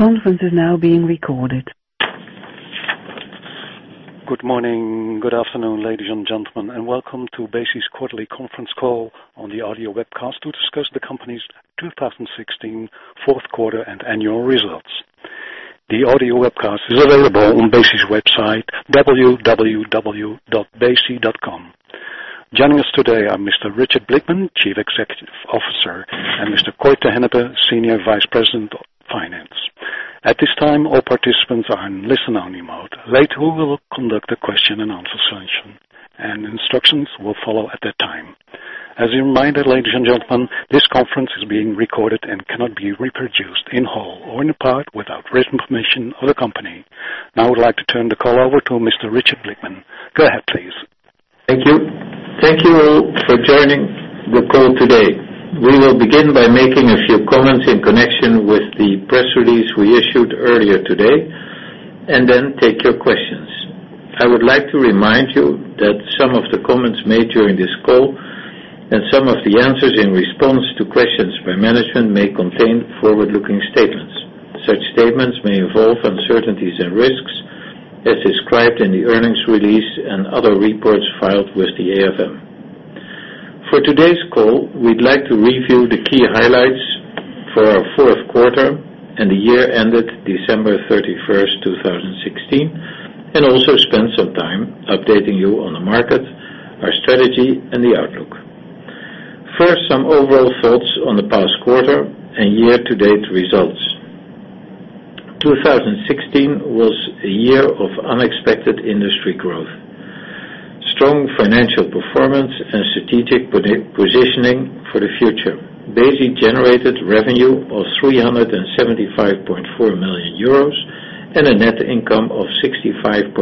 The conference is now being recorded. Good morning, good afternoon, ladies and gentlemen, and welcome to Besi's quarterly conference call on the audio webcast to discuss the company's 2016 fourth quarter and annual results. The audio webcast is available on Besi's website, www.besi.com. Joining us today are Mr. Richard Blickman, Chief Executive Officer, and Mr. Cor te Hennepe, Senior Vice President of Finance. At this time, all participants are in listen-only mode. Later, we will conduct a question and answer session, and instructions will follow at that time. As a reminder, ladies and gentlemen, this conference is being recorded and cannot be reproduced in whole or in part without written permission of the company. Now I would like to turn the call over to Mr. Richard Blickman. Go ahead, please. Thank you. Thank you all for joining the call today. We will begin by making a few comments in connection with the press release we issued earlier today, and then take your questions. I would like to remind you that some of the comments made during this call and some of the answers in response to questions by management may contain forward-looking statements. Such statements may involve uncertainties and risks as described in the earnings release and other reports filed with the AFM. For today's call, we'd like to review the key highlights for our fourth quarter and the year ended December 31st, 2016, and also spend some time updating you on the market, our strategy, and the outlook. First, some overall thoughts on the past quarter and year-to-date results. 2016 was a year of unexpected industry growth, strong financial performance, and strategic positioning for the future. Besi generated revenue of 375.4 million euros and a net income of 65.3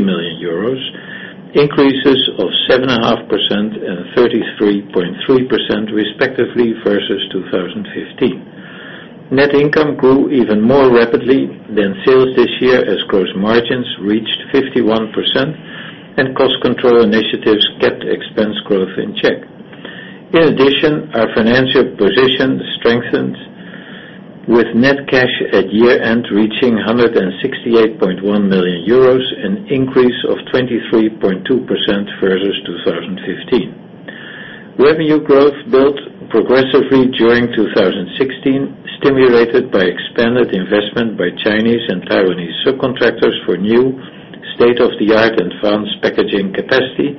million euros, increases of 7.5% and 33.3% respectively versus 2015. Net income grew even more rapidly than sales this year as gross margins reached 51% and cost control initiatives kept expense growth in check. In addition, our financial position strengthened with net cash at year-end reaching 168.1 million euros, an increase of 23.2% versus 2015. Revenue growth built progressively during 2016, stimulated by expanded investment by Chinese and Taiwanese subcontractors for new state-of-the-art advanced packaging capacity,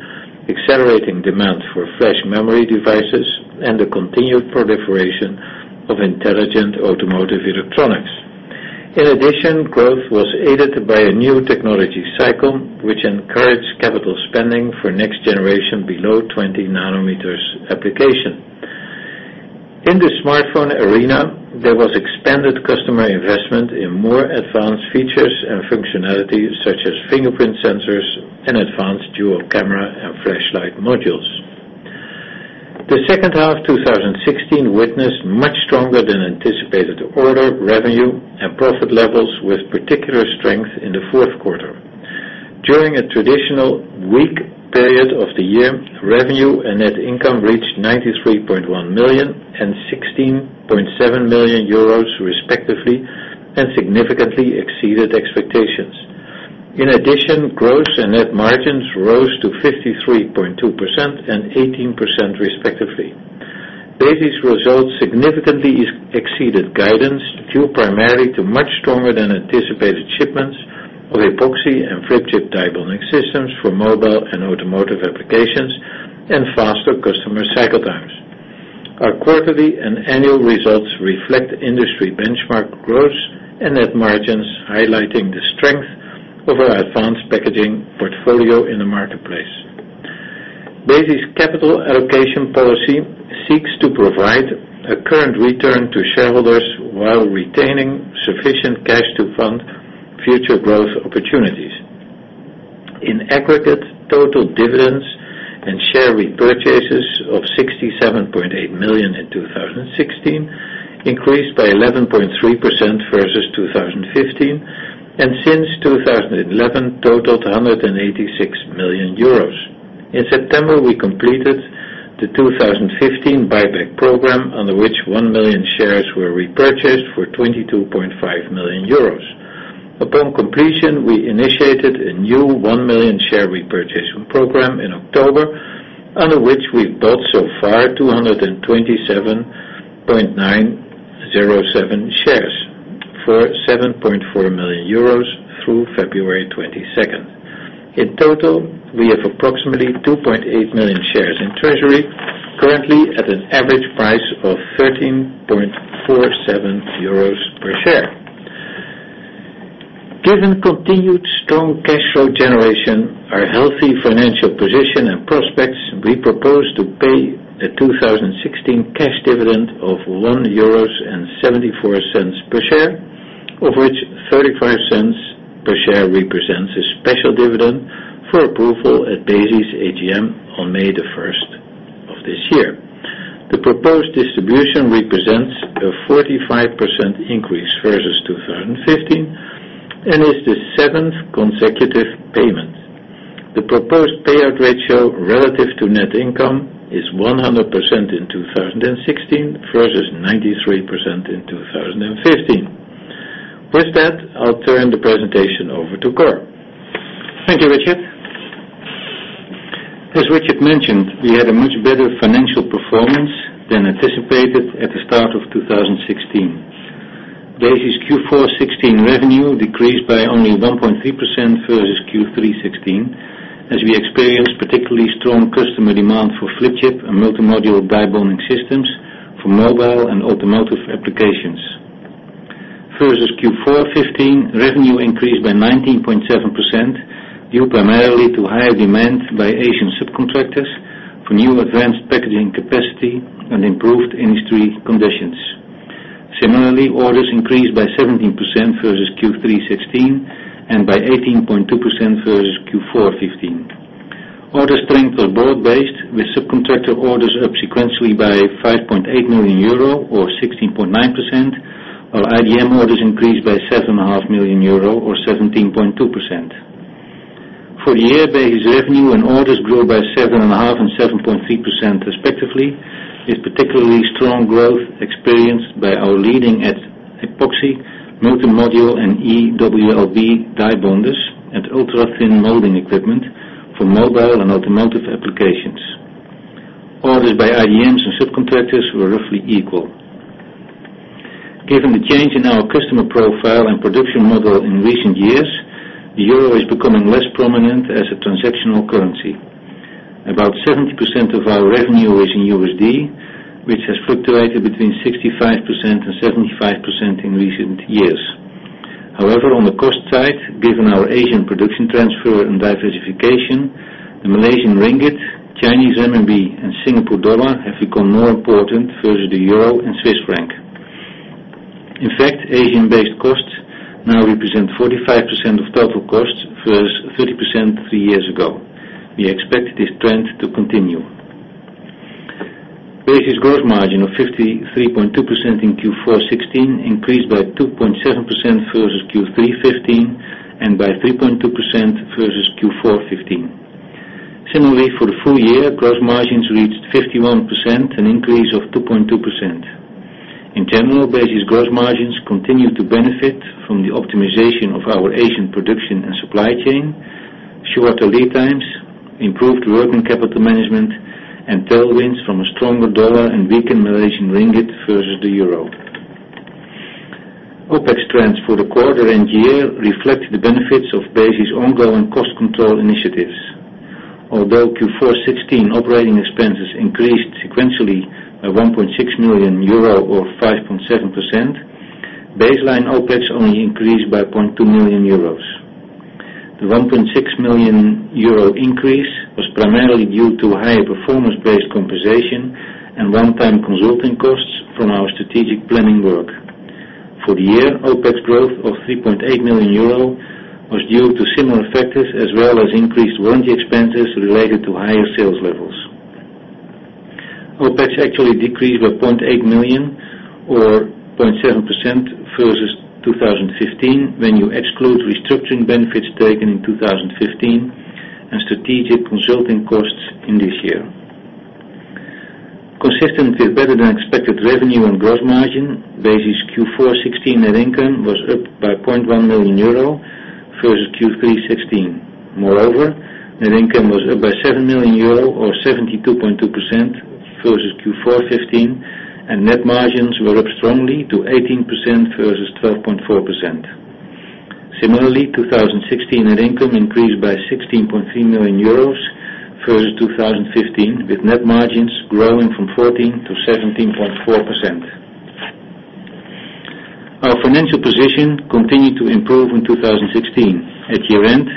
accelerating demand for flash memory devices, and the continued proliferation of intelligent automotive electronics. In addition, growth was aided by a new technology cycle, which encouraged capital spending for next-generation below 20 nanometers application. In the smartphone arena, there was expanded customer investment in more advanced features and functionality, such as fingerprint sensors and advanced dual camera and flashlight modules. The second half of 2016 witnessed much stronger than anticipated order, revenue, and profit levels with particular strength in the fourth quarter. During a traditional weak period of the year, revenue and net income reached 93.1 million and 16.7 million euros respectively and significantly exceeded expectations. In addition, gross and net margins rose to 53.2% and 18% respectively. Besi's results significantly exceeded guidance, due primarily to much stronger than anticipated shipments of epoxy die bonding and flip chip die bonding systems for mobile and automotive applications and faster customer cycle times. Our quarterly and annual results reflect industry benchmark growth and net margins, highlighting the strength of our advanced packaging portfolio in the marketplace. Besi's capital allocation policy seeks to provide a current return to shareholders while retaining sufficient cash to fund future growth opportunities. In aggregate, total dividends and share repurchases of 67.8 million in 2016 increased by 11.3% versus 2015, and since 2011 totaled €186 million. In September, we completed the 2015 buyback program under which 1 million shares were repurchased for €22.5 million. Upon completion, we initiated a new 1 million share repurchase program in October, under which we've bought so far 227,907 shares for €7.4 million through February 22nd. In total, we have approximately 2.8 million shares in treasury, currently at an average price of €13.47 per share. Given continued strong cash flow generation, our healthy financial position and prospects, we propose to pay a 2016 cash dividend of €1.74 per share, of which €0.35 per share represents a special dividend for approval at Besi's AGM on May 1st of this year. The proposed distribution represents a 45% increase versus 2015 and is the seventh consecutive payment. The proposed payout ratio relative to net income is 100% in 2016 versus 93% in 2015. With that, I'll turn the presentation over to Cor. Thank you, Richard. As Richard mentioned, we had a much better financial performance than anticipated at the start of 2016. Besi's Q4 '16 revenue decreased by only 1.3% versus Q3 '16, as we experienced particularly strong customer demand for flip chip and multi-module die bonding systems for mobile and automotive applications. Versus Q4 '15, revenue increased by 19.7%, due primarily to higher demand by Asian subcontractors for new advanced packaging capacity and improved industry conditions. Similarly, orders increased by 17% versus Q3 '16 and by 18.2% versus Q4 '15. Order strength was broad-based, with subcontractor orders up sequentially by 5.8 million euro or 16.9%, while IDM orders increased by 7.5 million euro or 17.2%. For the year, Besi's revenue and orders grew by 7.5 and 7.3% respectively, with particularly strong growth experienced by our leading epoxy multi-module and eWLB die bonders and ultra-thin molding equipment for mobile and automotive applications. Orders by IDMs and subcontractors were roughly equal. Given the change in our customer profile and production model in recent years, the euro is becoming less prominent as a transactional currency. About 70% of our revenue is in USD, which has fluctuated between 65% and 75% in recent years. However, on the cost side, given our Asian production transfer and diversification, the Malaysian ringgit, Chinese renminbi, and Singapore dollar have become more important versus the euro and Swiss franc. In fact, Asian-based costs now represent 45% of total costs versus 30% three years ago. We expect this trend to continue. Besi's gross margin of 53.2% in Q4 '16 increased by 2.7% versus Q3 '15 and by 3.2% versus Q4 '15. Similarly, for the full year, gross margins reached 51%, an increase of 2.2%. In general, Besi's gross margins continue to benefit from the optimization of our Asian production and supply chain, shorter lead times, improved working capital management, and tailwinds from a stronger dollar and weaker Malaysian ringgit versus the EUR. OpEx trends for the quarter and year reflect the benefits of Besi's ongoing cost control initiatives. Although Q4 2016 operating expenses increased sequentially by 1.6 million euro or 5.7%, baseline OpEx only increased by 0.2 million euros. The 1.6 million euro increase was primarily due to higher performance-based compensation and one-time consulting costs from our strategic planning work. For the year, OpEx growth of 3.8 million euro was due to similar factors, as well as increased warranty expenses related to higher sales levels. OpEx actually decreased by 0.8 million, or 0.7%, versus 2015 when you exclude restructuring benefits taken in 2015 and strategic consulting costs in this year. Consistent with better-than-expected revenue and gross margin, Besi's Q4 2016 net income was up by 0.1 million euro versus Q3 2016. Moreover, net income was up by 7 million euro or 72.2% versus Q4 2015, and net margins were up strongly to 18% versus 12.4%. Similarly, 2016 net income increased by 16.3 million euros versus 2015, with net margins growing from 14% to 17.4%. Our financial position continued to improve in 2016. At year-end,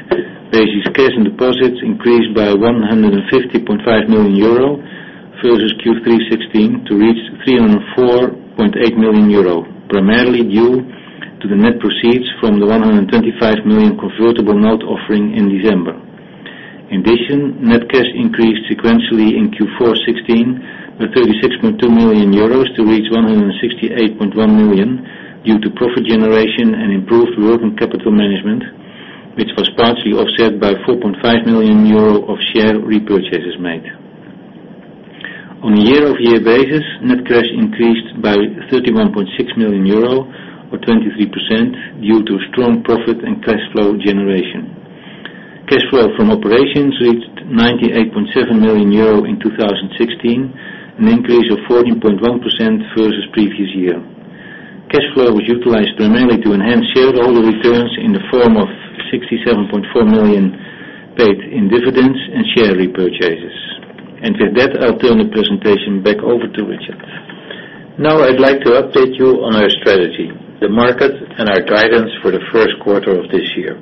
Besi's cash and deposits increased by 150.5 million euro versus Q3 2016 to reach 304.8 million euro, primarily due to the net proceeds from the 125 million convertible note offering in December. In addition, net cash increased sequentially in Q4 2016 by 36.2 million euros to reach 168.1 million due to profit generation and improved working capital management, which was partially offset by 4.5 million euro of share repurchases made. On a year-over-year basis, net cash increased by 31.6 million euro or 23% due to strong profit and cash flow generation. Cash flow from operations reached 98.7 million euro in 2016, an increase of 14.1% versus previous year. Cash flow was utilized primarily to enhance shareholder returns in the form of 67.4 million paid in dividends and share repurchases. With that, I'll turn the presentation back over to Richard. Now I'd like to update you on our strategy, the market, and our guidance for the first quarter of this year.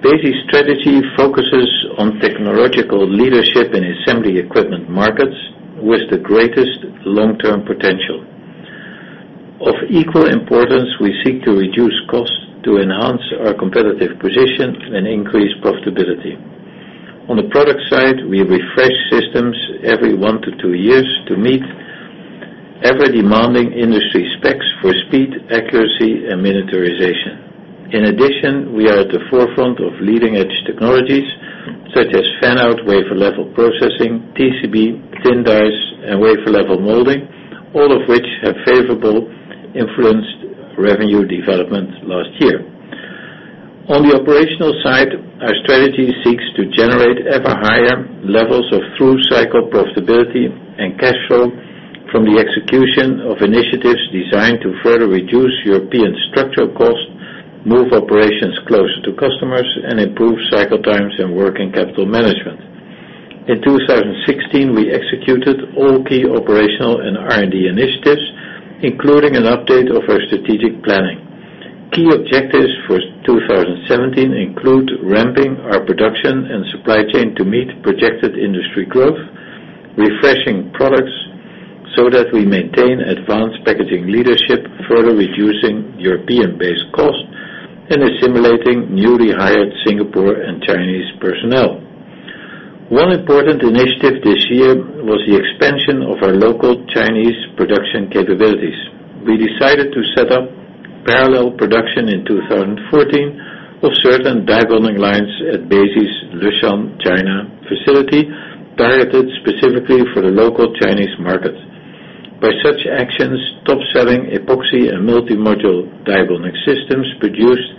Besi's strategy focuses on technological leadership in assembly equipment markets with the greatest long-term potential. Of equal importance, we seek to reduce costs to enhance our competitive position and increase profitability. On the product side, we refresh systems every one to two years to meet Ever-demanding industry specs for speed, accuracy, and miniaturization. In addition, we are at the forefront of leading-edge technologies such as fan-out, wafer-level processing, TCB, thin dies, and wafer-level molding, all of which have favorably influenced revenue development last year. On the operational side, our strategy seeks to generate ever higher levels of through-cycle profitability and cash flow from the execution of initiatives designed to further reduce European structural costs, move operations closer to customers, and improve cycle times and working capital management. In 2016, we executed all key operational and R&D initiatives, including an update of our strategic planning. Key objectives for 2017 include ramping our production and supply chain to meet projected industry growth, refreshing products so that we maintain advanced packaging leadership, further reducing European-based costs, and assimilating newly hired Singapore and Chinese personnel. One important initiative this year was the expansion of our local Chinese production capabilities. We decided to set up parallel production in 2014 of certain die bonding lines at Besi's Leshan, China facility, targeted specifically for the local Chinese market. By such actions, top-selling epoxy and multi-module die bonding systems produced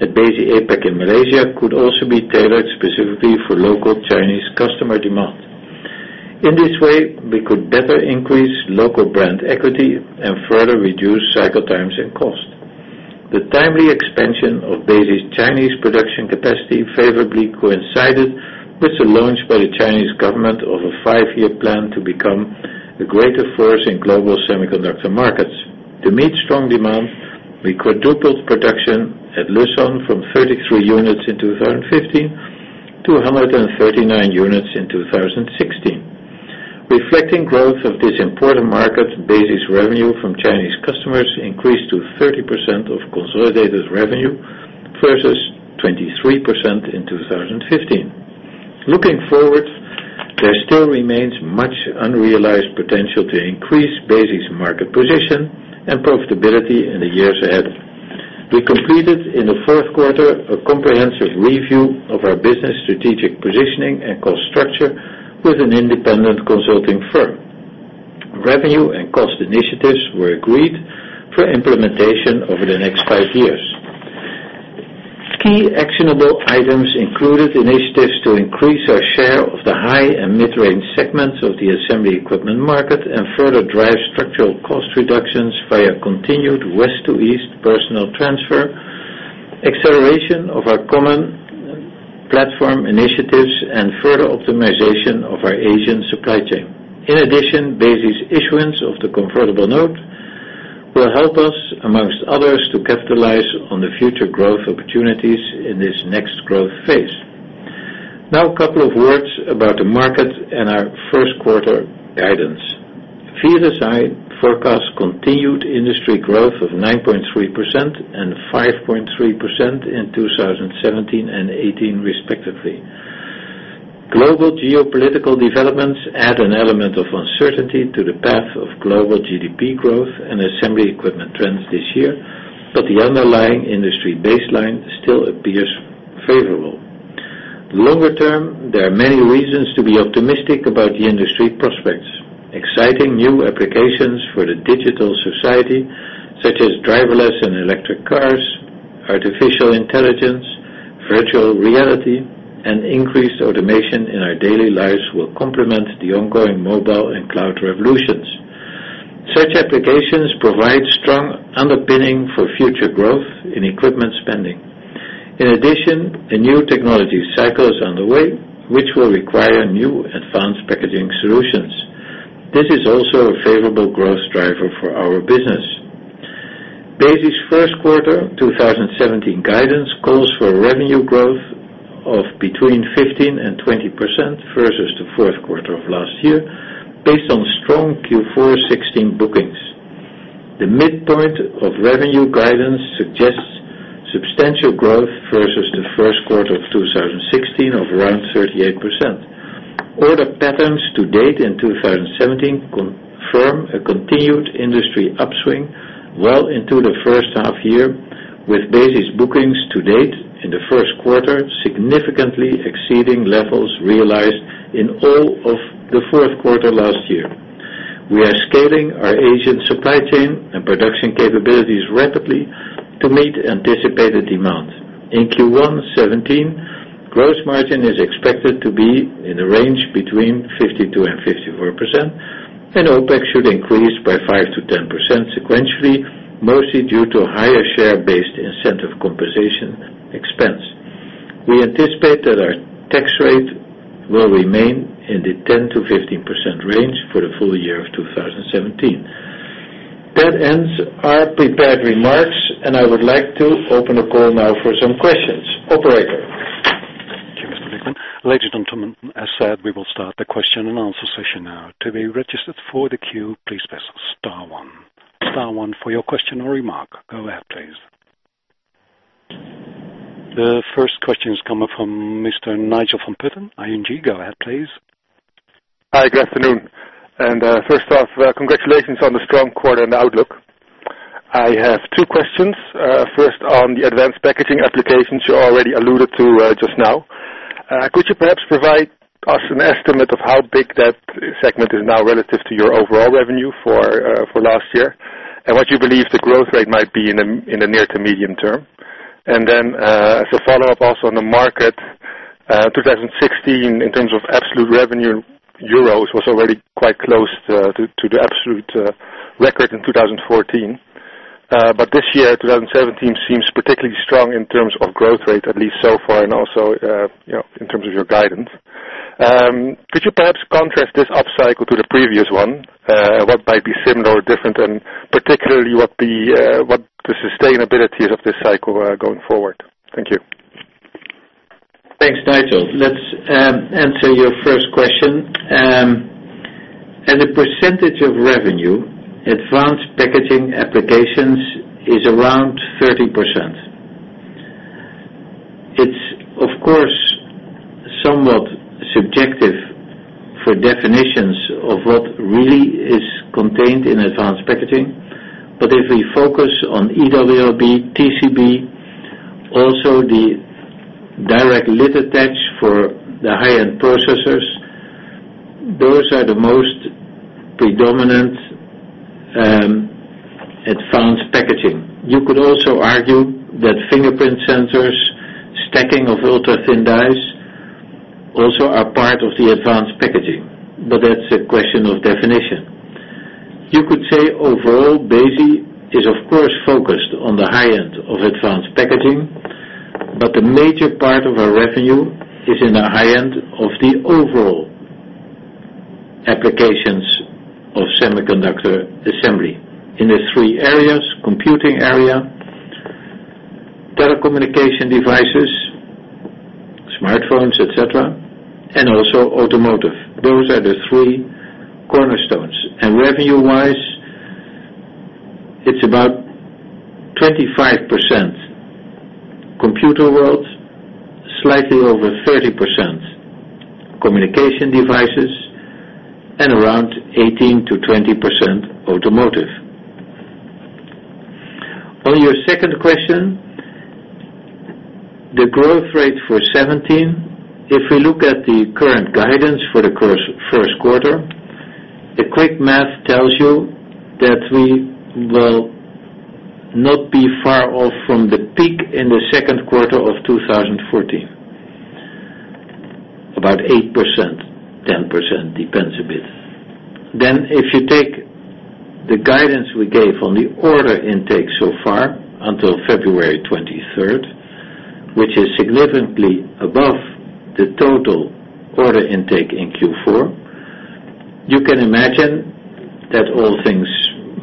at Besi APAC in Malaysia could also be tailored specifically for local Chinese customer demand. In this way, we could better increase local brand equity and further reduce cycle times and cost. The timely expansion of Besi's Chinese production capacity favorably coincided with the launch by the Chinese government of a five-year plan to become a greater force in global semiconductor markets. To meet strong demand, we quadrupled production at Leshan from 33 units in 2015 to 139 units in 2016. Reflecting growth of this important market, Besi's revenue from Chinese customers increased to 30% of consolidated revenue, versus 23% in 2015. Looking forward, there still remains much unrealized potential to increase Besi's market position and profitability in the years ahead. We completed in the fourth quarter a comprehensive review of our business strategic positioning and cost structure with an independent consulting firm. Revenue and cost initiatives were agreed for implementation over the next five years. Key actionable items included initiatives to increase our share of the high and mid-range segments of the assembly equipment market and further drive structural cost reductions via continued West to East personnel transfer, acceleration of our common platform initiatives, and further optimization of our Asian supply chain. In addition, Besi's issuance of the convertible note will help us, amongst others, to capitalize on the future growth opportunities in this next growth phase. Now, a couple of words about the market and our first quarter guidance. VLSI forecasts continued industry growth of 9.3% and 5.3% in 2017 and 2018, respectively. Global geopolitical developments add an element of uncertainty to the path of global GDP growth and assembly equipment trends this year, but the underlying industry baseline still appears favorable. Longer term, there are many reasons to be optimistic about the industry prospects. Exciting new applications for the digital society, such as driverless and electric cars, artificial intelligence, virtual reality, and increased automation in our daily lives will complement the ongoing mobile and cloud revolutions. Such applications provide strong underpinning for future growth in equipment spending. In addition, a new technology cycle is on the way, which will require new advanced packaging solutions. This is also a favorable growth driver for our business. Besi's first quarter 2017 guidance calls for revenue growth of between 15%-20% versus the fourth quarter of last year, based on strong Q4 2016 bookings. The midpoint of revenue guidance suggests substantial growth versus the first quarter of 2016 of around 38%. Order patterns to date in 2017 confirm a continued industry upswing well into the first half year, with Besi's bookings to date in the first quarter significantly exceeding levels realized in all of the fourth quarter last year. We are scaling our Asian supply chain and production capabilities rapidly to meet anticipated demand. In Q1 2017, gross margin is expected to be in the range between 52%-54%, and OpEx should increase by 5%-10% sequentially, mostly due to higher share-based incentive compensation expense. We anticipate that our tax rate will remain in the 10%-15% range for the full year of 2017. That ends our prepared remarks. I would like to open the call now for some questions. Operator? Thank you, Mr. Blickman. Ladies and gentlemen, as said, we will start the question-and-answer session now. To be registered for the queue, please press star one. Star one for your question or remark. Go ahead, please. The first question is coming from Mr. Nigel van Putten, ING. Go ahead, please. Hi, good afternoon. First off, congratulations on the strong quarter and outlook. I have two questions. First, on the advanced packaging applications you already alluded to just now. Could you perhaps provide us an estimate of how big that segment is now relative to your overall revenue for last year, and what you believe the growth rate might be in the near to medium term? As a follow-up, also on the market, 2016, in terms of absolute revenue, EUR was already quite close to the absolute record in 2014. This year, 2017 seems particularly strong in terms of growth rate, at least so far, and also in terms of your guidance. Could you perhaps contrast this upcycle to the previous one? What might be similar or different, and particularly, what the sustainability is of this cycle going forward. Thank you. Thanks, Nigel. Let's answer your first question. As a percentage of revenue, advanced packaging applications is around 30%. It's, of course, somewhat subjective for definitions of what really is contained in advanced packaging. If we focus on eWLB, TCB, also the direct lid attach for the high-end processors, those are the most predominant advanced packaging. You could also argue that fingerprint sensors, stacking of ultra-thin dice also are part of the advanced packaging, but that's a question of definition. You could say overall, Besi is, of course, focused on the high-end of advanced packaging, but a major part of our revenue is in the high-end of the overall applications of semiconductor assembly in the three areas: computing area, telecommunication devices, smartphones, et cetera, and also automotive. Those are the three cornerstones. Revenue-wise, it's about 25% computer world, slightly over 30% communication devices, and around 18%-20% automotive. On your second question, the growth rate for 2017, if we look at the current guidance for the first quarter, the quick math tells you that we will not be far off from the peak in the second quarter of 2014. About 8%-10%, depends a bit. If you take the guidance we gave on the order intake so far until February 23rd, which is significantly above the total order intake in Q4, you can imagine that all things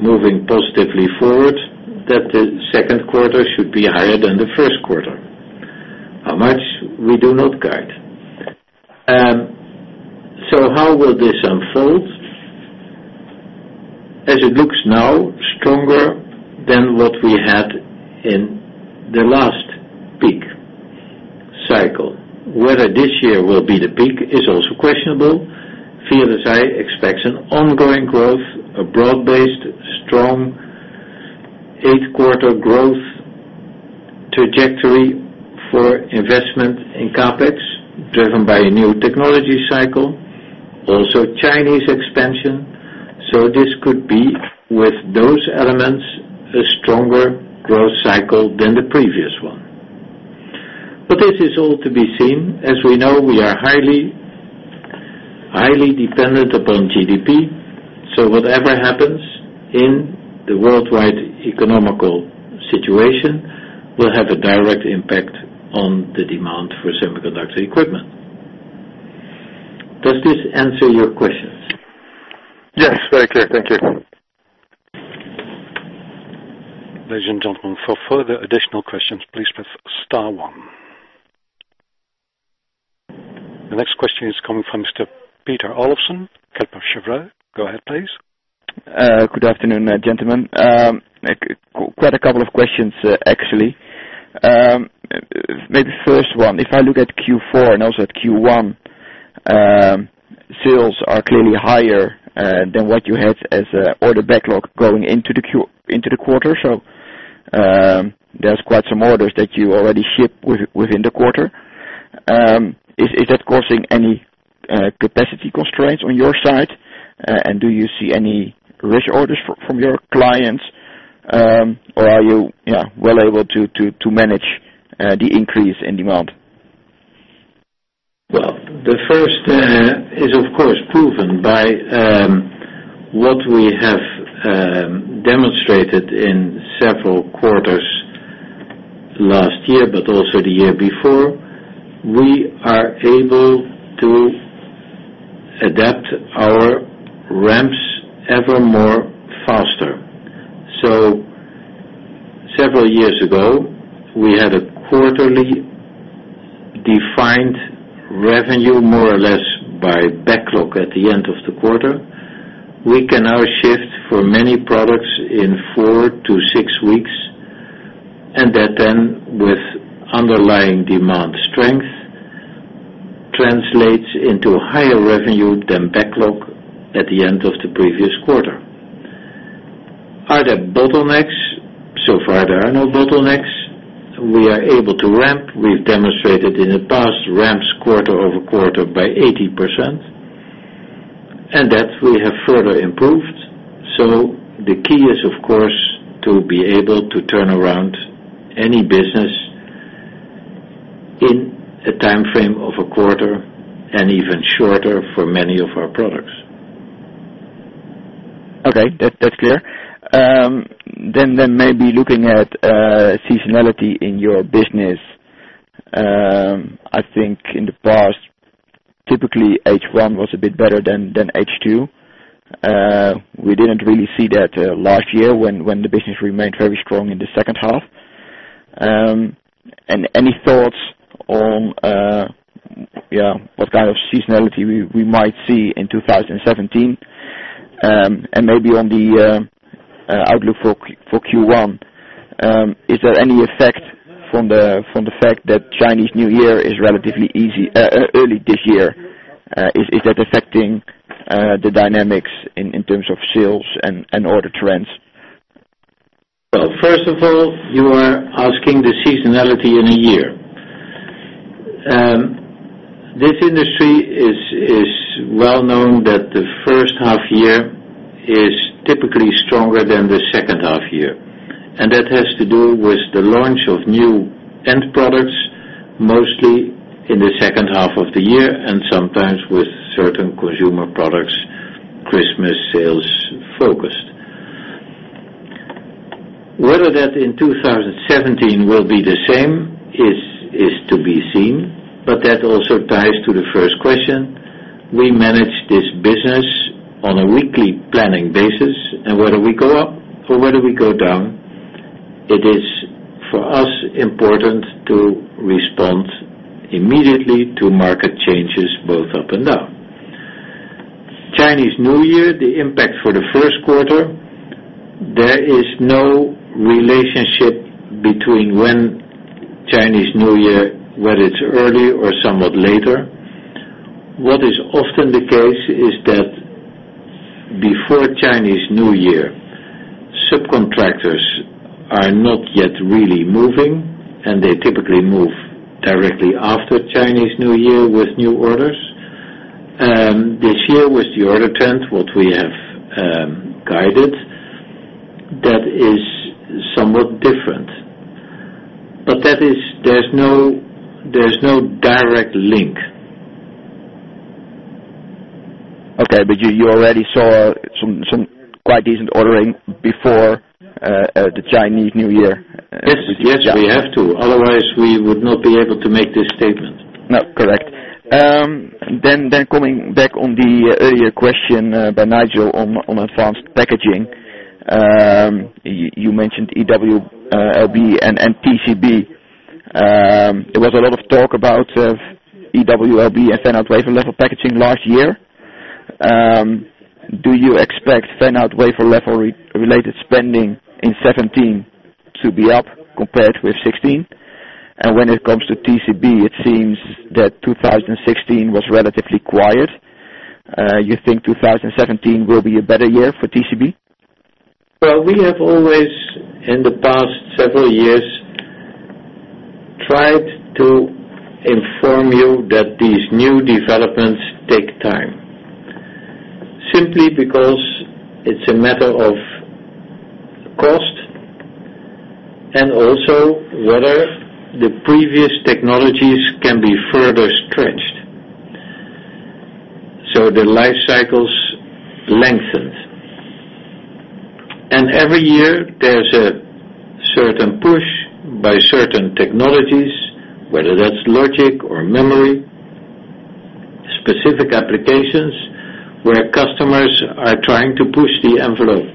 moving positively forward, that the second quarter should be higher than the first quarter. How much? We do not guide. How will this unfold? As it looks now, stronger than what we had in the last peak cycle. Whether this year will be the peak is also questionable. Viasys expects an ongoing growth, a broad-based strong eight-quarter growth trajectory for investment in CapEx, driven by a new technology cycle, also Chinese expansion. This could be, with those elements, a stronger growth cycle than the previous one. This is all to be seen. As we know, we are highly dependent upon GDP, whatever happens in the worldwide economical situation will have a direct impact on the demand for semiconductor equipment. Does this answer your questions? Yes, very clear. Thank you. Ladies and gentlemen, for further additional questions, please press star one. The next question is coming from Mr. Pieter Olijslager, Kepler Cheuvreux. Go ahead, please. Good afternoon, gentlemen. Quite a couple of questions, actually. Maybe first one, if I look at Q4 and also at Q1, sales are clearly higher than what you had as order backlog going into the quarter. There's quite some orders that you already shipped within the quarter. Is that causing any capacity constraints on your side? Do you see any risk orders from your clients, or are you well able to manage the increase in demand? Well, the first is, of course, proven by what we have demonstrated in several quarters last year, but also the year before. We are able to adapt our ramps ever more faster. Several years ago, we had a quarterly Defined revenue more or less by backlog at the end of the quarter. We can now shift for many products in four to six weeks, and that then, with underlying demand strength, translates into higher revenue than backlog at the end of the previous quarter. Are there bottlenecks? So far, there are no bottlenecks. We are able to ramp. We've demonstrated in the past ramps quarter-over-quarter by 80%, and that we have further improved. The key is, of course, to be able to turn around any business in a timeframe of a quarter and even shorter for many of our products. Okay. That's clear. Maybe looking at seasonality in your business. I think in the past, typically H1 was a bit better than H2. We didn't really see that last year when the business remained very strong in the second half. Any thoughts on what kind of seasonality we might see in 2017? Maybe on the outlook for Q1, is there any effect from the fact that Chinese New Year is relatively early this year? Is that affecting the dynamics in terms of sales and order trends? Well, first of all, you are asking the seasonality in a year. This industry is well-known that the first half year is typically stronger than the second half year, and that has to do with the launch of new end products, mostly in the second half of the year and sometimes with certain consumer products, Christmas sales focused. Whether that in 2017 will be the same is to be seen, but that also ties to the first question. We manage this business on a weekly planning basis, and whether we go up or whether we go down, it is, for us, important to respond immediately to market changes both up and down. Chinese New Year, the impact for the first quarter, there is no relationship between when Chinese New Year, whether it's early or somewhat later. What is often the case is that before Chinese New Year, subcontractors are not yet really moving, and they typically move directly after Chinese New Year with new orders. This year, with the order trend, what we have guided, that is somewhat different. There's no direct link. Okay. You already saw some quite decent ordering before the Chinese New Year. Yes, we have to. Otherwise, we would not be able to make this statement. No, correct. Coming back on the earlier question by Nigel on advanced packaging. You mentioned eWLB and TCB. There was a lot of talk about eWLB and fan-out wafer level packaging last year. Do you expect fan-out wafer level-related spending in 2017 to be up compared with 2016? When it comes to TCB, it seems that 2016 was relatively quiet. You think 2017 will be a better year for TCB? Well, we have always, in the past several years, tried to inform you that these new developments take time. Simply because it's a matter of cost, and also whether the previous technologies can be further stretched. The life cycles lengthened. Every year, there's a certain push by certain technologies, whether that's logic or memory, specific applications where customers are trying to push the envelope.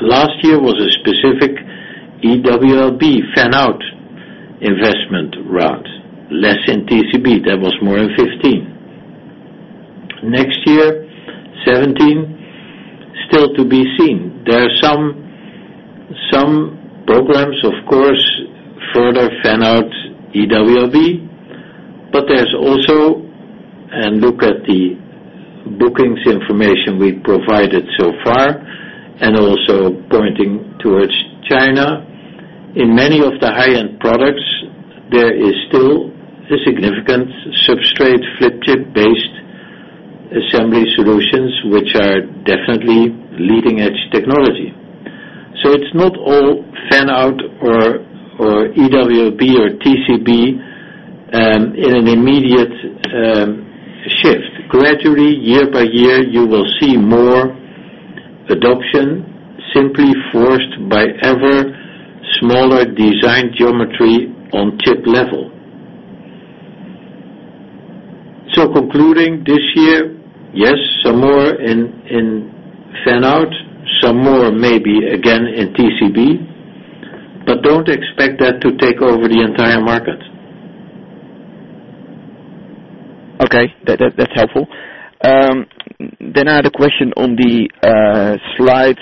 Last year was a specific eWLB fan-out investment route, less in TCB. That was more in 2015. Next year, 2017, still to be seen. There are some problems, of course, further fan-out eWLB, but there's also, look at the bookings information we provided so far, also pointing towards China. In many of the high-end products, there is still a significant substrate flip-chip-based assembly solutions, which are definitely leading-edge technology. It's not all fan-out or eWLB or TCB in an immediate shift. Gradually, year by year, you will see more adoption simply forced by ever smaller design geometry on chip level. Concluding this year, yes, some more in fan-out, some more maybe again in TCB, but don't expect that to take over the entire market. Okay. That's helpful. I had a question on the slide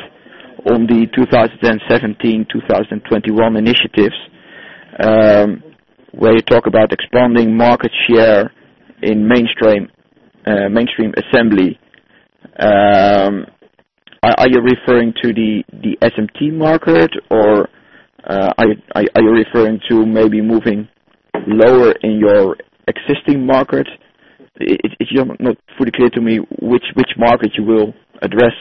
on the 2017-2021 initiatives, where you talk about expanding market share in mainstream assembly. Are you referring to the SMT market, or are you referring to maybe moving lower in your existing market? It's not fully clear to me which market you will address.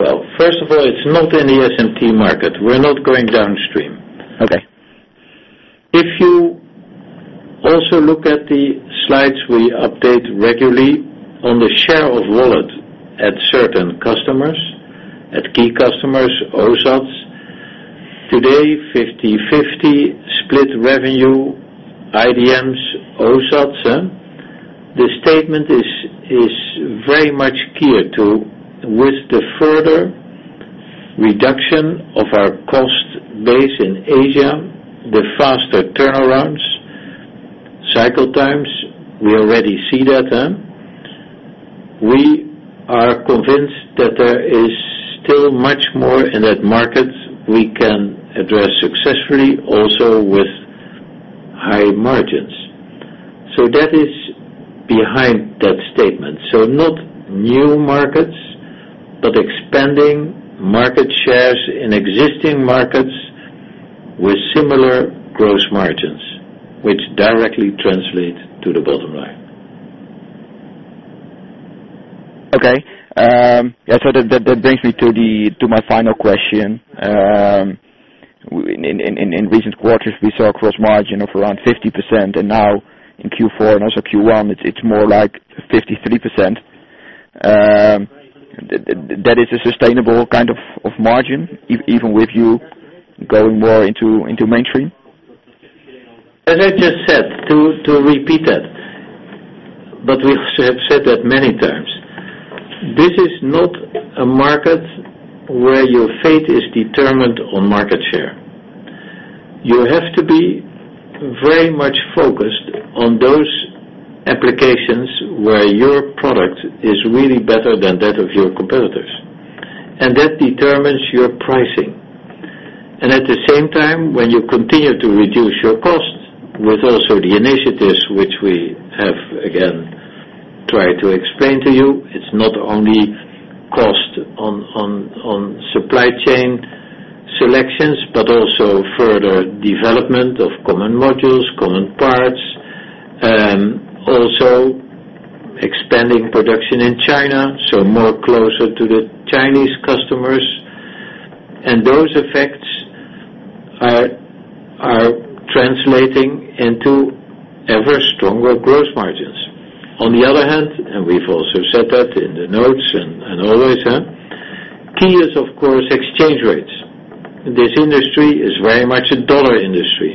Well, first of all, it's not in the SMT market. We're not going downstream. Okay. If you also look at the slides we update regularly on the share of wallet at certain customers, at key customers, OSATs. Today, 50/50 split revenue, IDMs, OSATs. The statement is very much geared to with the further reduction of our cost base in Asia, the faster turnarounds, cycle times, we already see that. We are convinced that there is still much more in that market we can address successfully, also with high margins. That is behind that statement. Not new markets, but expanding market shares in existing markets with similar gross margins, which directly translate to the bottom line. Okay. That brings me to my final question. In recent quarters, we saw a gross margin of around 50%, and now in Q4 and also Q1, it's more like 53%. That is a sustainable kind of margin, even with you going more into mainstream? As I just said, to repeat that, we have said that many times. This is not a market where your fate is determined on market share. That determines your pricing. At the same time, when you continue to reduce your cost with also the initiatives which we have, again, tried to explain to you, it's not only cost on supply chain selections, but also further development of common modules, common parts, also expanding production in China, more closer to the Chinese customers. Those effects are translating into ever-stronger gross margins. On the other hand, we've also said that in the notes and always. Key is, of course, exchange rates. This industry is very much a dollar industry,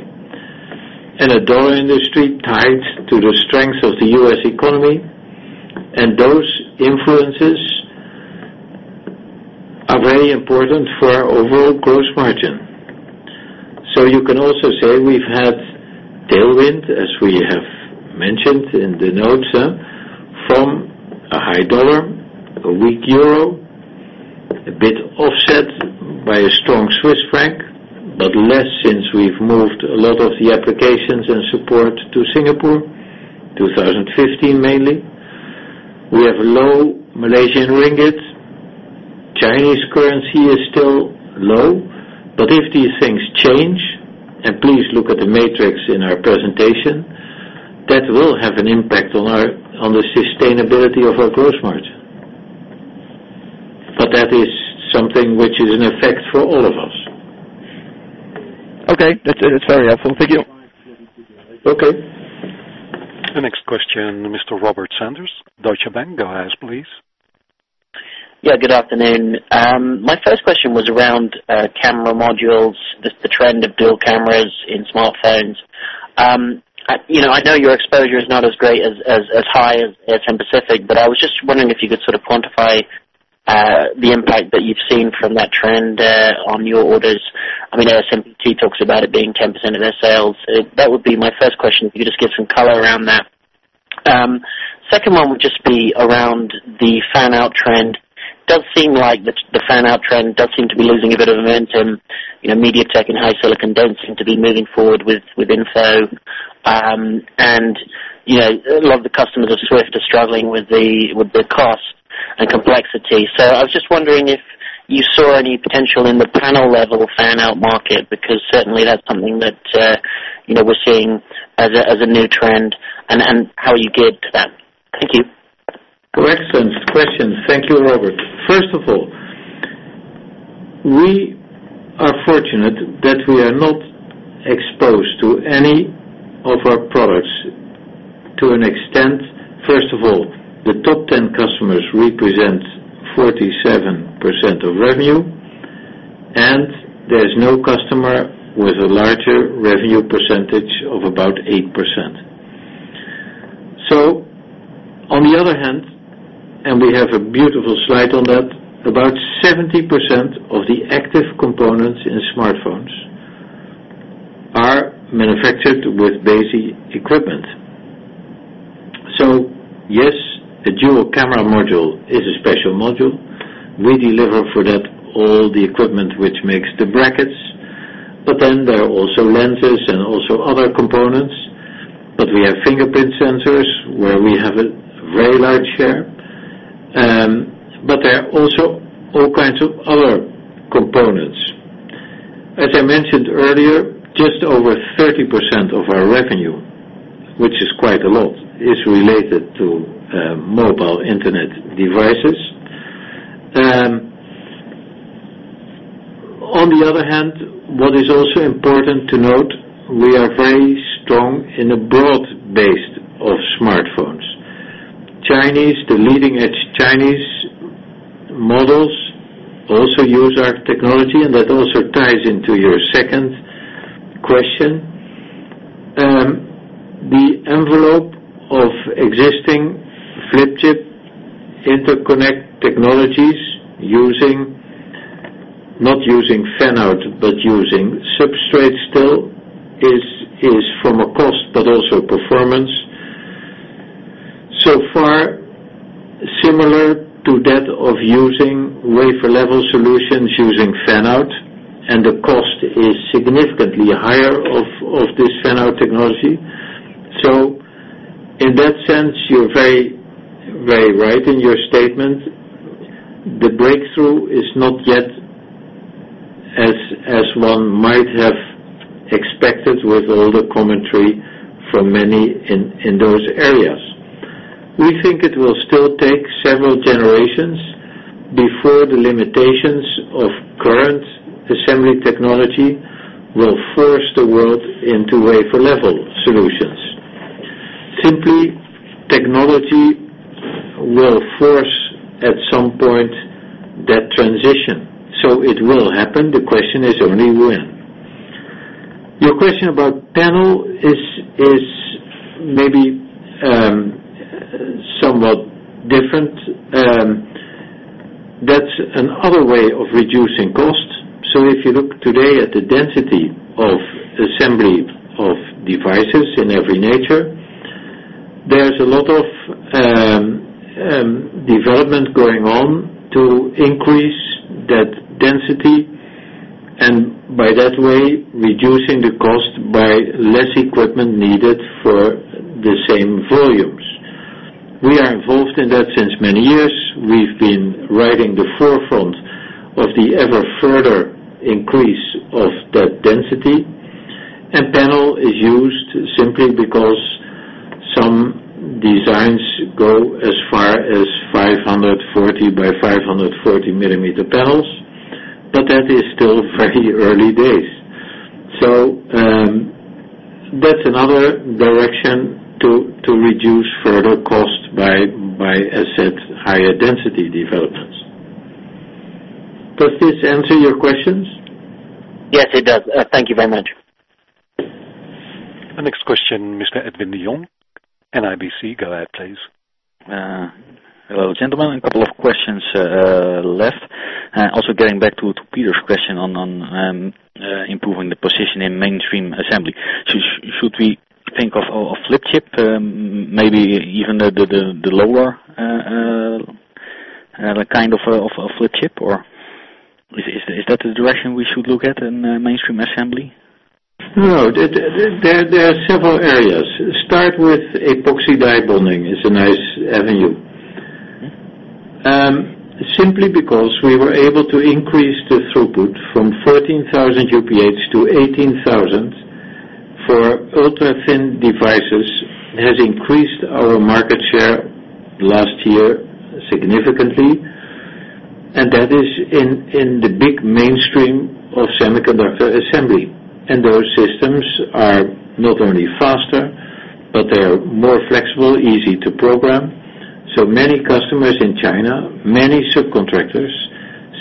a dollar industry tied to the strength of the U.S. economy. Those influences are very important for our overall gross margin. You can also say we've had tailwind, as we have mentioned in the notes, from a high dollar, a weak euro, less since we've moved a lot of the applications and support to Singapore, 2015 mainly. We have low Malaysian ringgits. Chinese currency is still low. If these things change, please look at the matrix in our presentation, that will have an impact on the sustainability of our gross margin. That is something which is in effect for all of us. Okay. That's very helpful. Thank you. Okay. The next question, Mr. Robert Sanders, Deutsche Bank. Go ahead, please. Good afternoon. My first question was around camera modules, just the trend of dual cameras in smartphones. I know your exposure is not as great as high as ASM Pacific, but I was just wondering if you could sort of quantify the impact that you've seen from that trend on your orders. I know ASMPT talks about it being 10% of their sales. That would be my first question, if you could just give some color around that. Second one would just be around the fan-out trend. Does seem like the fan-out trend to be losing a bit of momentum. MediaTek and HiSilicon don't seem to be moving forward with InFO. A lot of the customers of SWIFT are struggling with the cost and complexity. I was just wondering if you saw any potential in the panel-level fan-out market, because certainly that's something that we're seeing as a new trend, and how you gear to that. Thank you. Excellent questions. Thank you, Robert. First of all, we are fortunate that we are not exposed to any of our products to an extent. First of all, the top 10 customers represent 47% of revenue. There is no customer with a larger revenue percentage of about 8%. On the other hand, and we have a beautiful slide on that, about 70% of the active components in smartphones are manufactured with Besi equipment. Yes, the dual camera module is a special module. We deliver for that all the equipment which makes the brackets, then there are also lenses and also other components. We have fingerprint sensors where we have a very large share. There are also all kinds of other components. As I mentioned earlier, just over 30% of our revenue, which is quite a lot, is related to mobile internet devices. On the other hand, what is also important to note, we are very strong in a broad base of smartphones. The leading-edge Chinese models also use our technology, and that also ties into your second question. The envelope of existing flip chip interconnect technologies, not using fan-out but using substrate still, is from a cost but also performance, so far similar to that of using wafer-level solutions using fan-out, and the cost is significantly higher of this fan-out technology. In that sense, you're very right in your statement. The breakthrough is not yet as one might have expected with all the commentary from many in those areas. We think it will still take several generations before the limitations of current assembly technology will force the world into wafer-level solutions. Simply, technology will force at some point that transition. It will happen. The question is only when. Your question about panel is maybe somewhat different. That's another way of reducing cost. If you look today at the density of assembly of devices in every nature, there's a lot of development going on to increase that density, and by that way, reducing the cost by less equipment needed for the same volumes. We are involved in that since many years. We've been riding the forefront of the ever further increase of that density. Panel is used simply because some designs go as far as 540 by 540 millimeter panels, but that is still very early days. That's another direction to reduce further cost by, as said, higher density developments. Does this answer your questions? Yes, it does. Thank you very much. Our next question, Mr. Edwin de Jong, NIBC. Go ahead, please. Hello, gentlemen. A couple of questions left. Getting back to Pieter's question on improving the position in mainstream assembly. Should we think of a flip chip, maybe even the lower kind of a flip chip, or is that the direction we should look at in mainstream assembly? No. There are several areas. Start with epoxy die bonding is a nice avenue. Okay. Simply because we were able to increase the throughput from 14,000 UPH to 18,000 for ultra-thin devices, has increased our market share last year significantly, and that is in the big mainstream of semiconductor assembly. Those systems are not only faster, but they are more flexible, easy to program. Many customers in China, many subcontractors,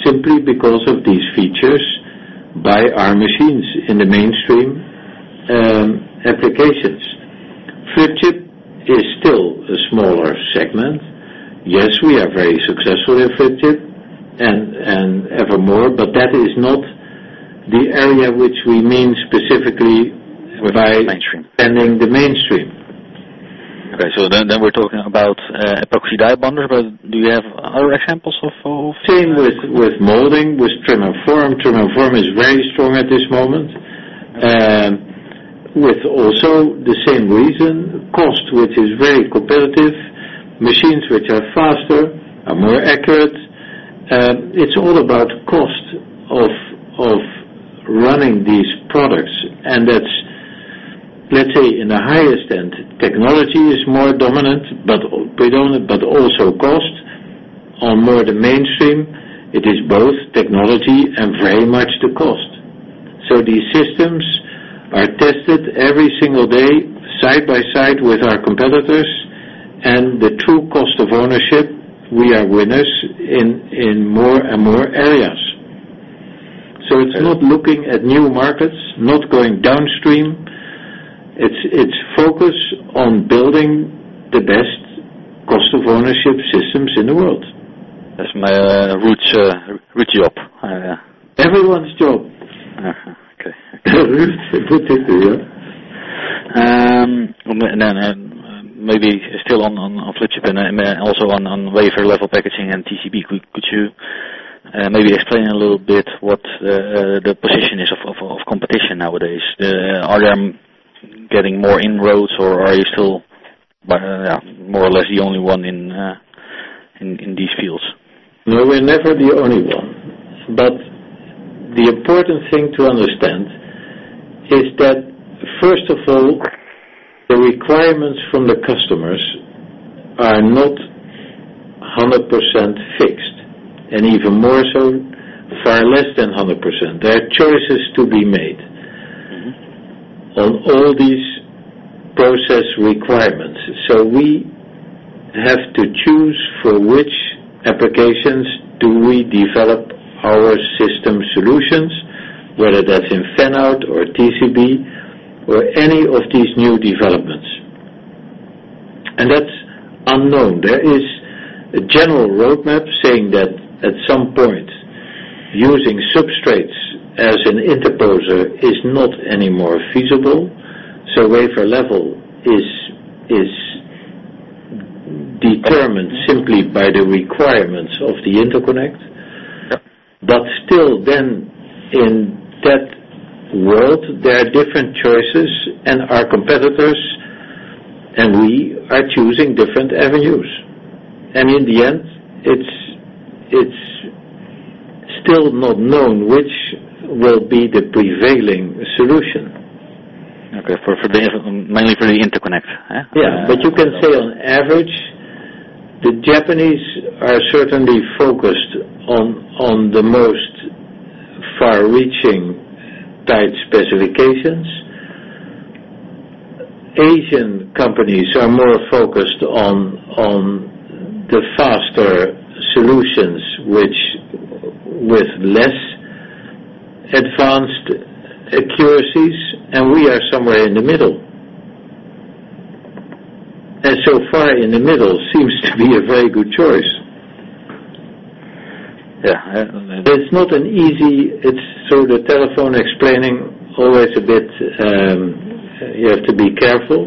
simply because of these features, buy our machines in the mainstream applications. Flip chip is still a smaller segment. Yes, we are very successful in flip chip and ever more, but that is not the area which we mean specifically by. Mainstream tending the mainstream. Okay. We're talking about epoxy die bonders, but do you have other examples of? Same with molding, with trim and form. Trim and form is very strong at this moment. Okay. With also the same reason, cost, which is very competitive, machines which are faster, are more accurate. It's all about cost of running these products, and that's, let's say, in the highest end, technology is more dominant, but also cost. On more the mainstream, it is both technology and very much the cost. These systems are tested every single day side by side with our competitors, and the true cost of ownership, we are winners in more and more areas. It's not looking at new markets, not going downstream. It's focus on building the best cost of ownership systems in the world. That's my root job. Everyone's job. Okay. Good to hear. Maybe still on flip chip and also on wafer-level packaging and TCB. Could you maybe explain a little bit what the position is of competition nowadays? Are they getting more inroads, or are you still more or less the only one in these fields? No, we're never the only one. The important thing to understand is that, first of all, the requirements from the customers are not 100% fixed, and even more so, far less than 100%. There are choices to be made. on all these process requirements. We have to choose for which applications do we develop our system solutions, whether that's in fan-out or TCB or any of these new developments. That's unknown. There is a general roadmap saying that at some point, using substrates as an interposer is not anymore feasible. Wafer level is determined simply by the requirements of the interconnect. Yeah. Still then in that world, there are different choices, and our competitors and we are choosing different avenues. In the end, it's still not known which will be the prevailing solution. Okay. Mainly for the interconnect. Yeah. You can say on average, the Japanese are certainly focused on the most far-reaching tight specifications. Asian companies are more focused on the faster solutions, with less advanced accuracies, and we are somewhere in the middle. So far, in the middle seems to be a very good choice. Yeah. It's through the telephone explaining always a bit, you have to be careful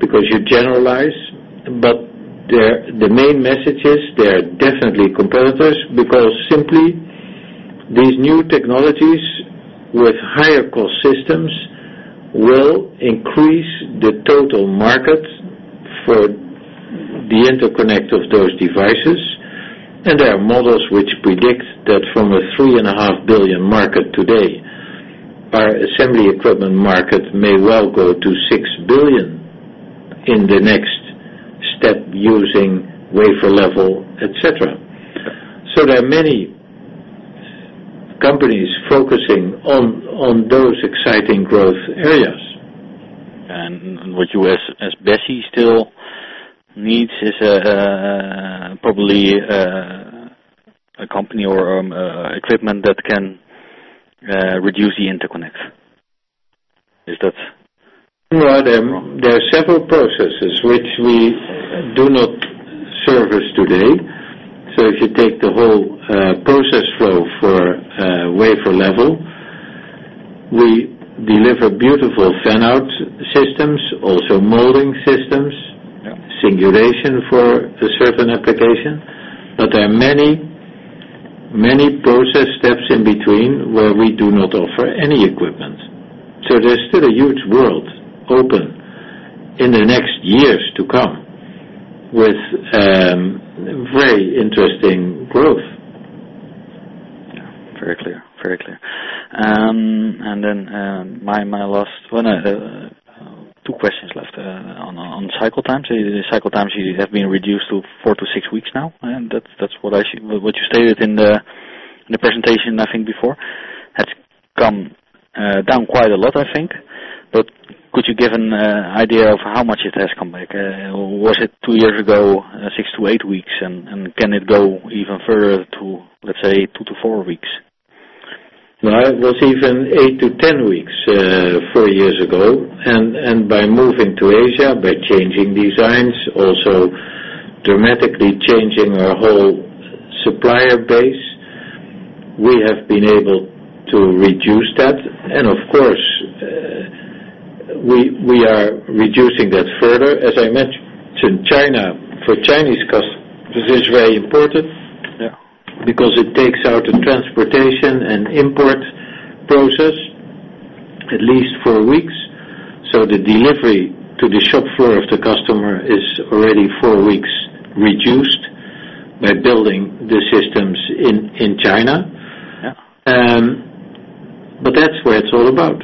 because you generalize. The main message is there are definitely competitors because simply these new technologies with higher cost systems will increase the total market for the interconnect of those devices. There are models which predict that from a 3.5 billion market today, our assembly equipment market may well go to 6 billion in the next step using wafer-level, et cetera. Yeah. There are many companies focusing on those exciting growth areas. What you as Besi still need is probably a company or equipment that can reduce the interconnect. Well, there are several processes which we do not service today. If you take the whole process flow for wafer level, we deliver beautiful fan-out systems, also molding systems. Yeah singulation for a certain application. There are many process steps in between where we do not offer any equipment. There's still a huge world open in the next years to come with very interesting growth. Yeah. Very clear. My last one, two questions left. On cycle times. Cycle times have been reduced to 4 to 6 weeks now, and that's what you stated in the presentation, I think before. Has come down quite a lot, I think. Could you give an idea of how much it has come back? Was it two years ago, 6 to 8 weeks, and can it go even further to, let's say, 2 to 4 weeks? No, it was even 8 to 10 weeks, four years ago. By moving to Asia, by changing designs, also dramatically changing our whole supplier base, we have been able to reduce that. Of course, we are reducing that further. As I mentioned, China, for Chinese customers, this is very important. Yeah because it takes out the transportation and import process at least 4 weeks. The delivery to the shop floor of the customer is already 4 weeks reduced by building the systems in China. Yeah. That's what it's all about.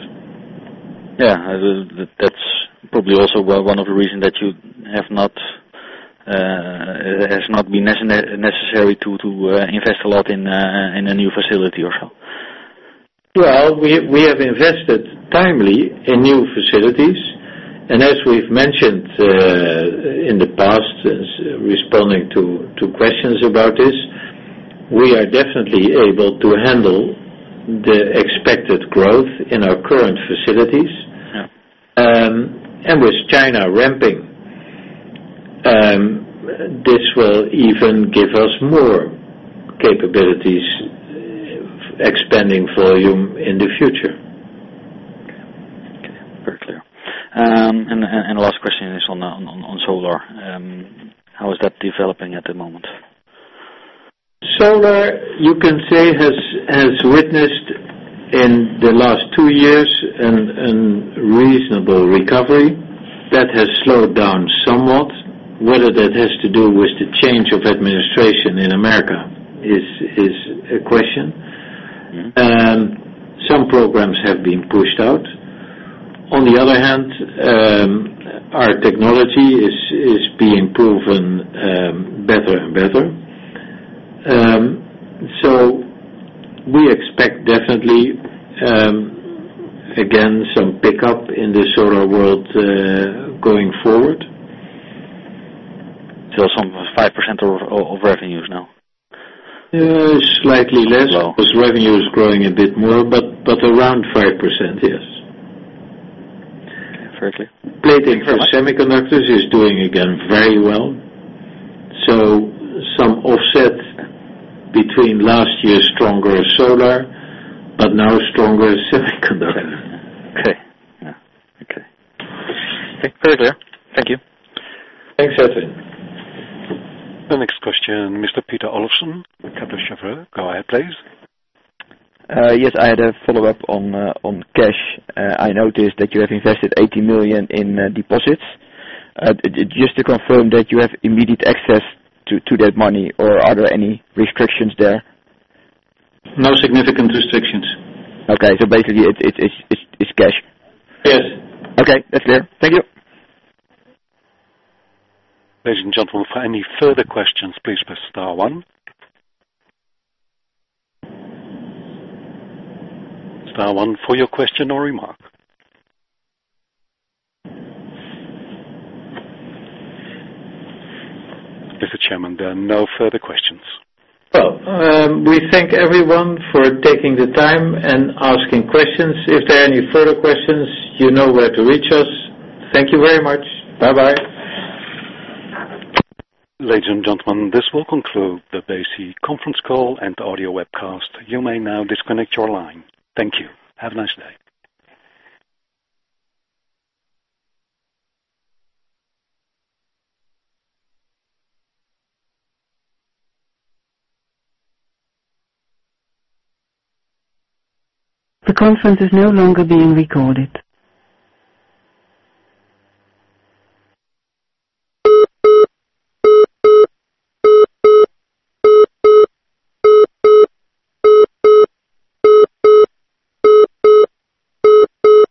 Yeah. That's probably also one of the reasons that it has not been necessary to invest a lot in a new facility or so. Well, we have invested timely in new facilities, and as we've mentioned in the past, responding to questions about this, we are definitely able to handle the expected growth in our current facilities. Yeah. With China ramping, this will even give us more capabilities expanding volume in the future. Okay. Very clear. Last question is on solar. How is that developing at the moment? Solar, you can say, has witnessed in the last two years a reasonable recovery that has slowed down somewhat. Whether that has to do with the change of administration in America is a question. Some programs have been pushed out. On the other hand, our technology is being proven better and better. We expect definitely, again, some pickup in the solar world going forward. some 5% of revenues now. Slightly less Low revenue is growing a bit more, but around 5%, yes. Very clear. Plating for semiconductors is doing again very well. Some offset between last year's stronger solar, but now stronger semiconductor. Okay. Yeah. Okay. Very clear. Thank you. Thanks, Edwin. The next question, Mr. Pieter Olijslager, Kepler Cheuvreux. Go ahead, please. I had a follow-up on cash. I noticed that you have invested 80 million in deposits. Just to confirm that you have immediate access to that money, or are there any restrictions there? No significant restrictions. Basically it's cash. Yes. That's clear. Thank you. Ladies and gentlemen, for any further questions, please press star one. Star one for your question or remark. Mr. Chairman, there are no further questions. Well, we thank everyone for taking the time and asking questions. If there are any further questions, you know where to reach us. Thank you very much. Bye-bye. Ladies and gentlemen, this will conclude the Besi conference call and audio webcast. You may now disconnect your line. Thank you. Have a nice day. The conference is no longer being recorded.